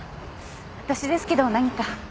私ですけど何か？